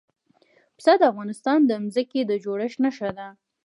پسه د افغانستان د ځمکې د جوړښت نښه ده.